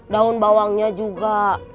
daun bawangnya juga